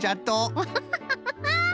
アハハハ！